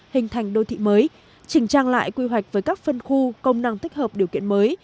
hình thành đô thị mới chỉnh trang lại quy hoạch với các phân khu công năng thích hợp điều kiện mới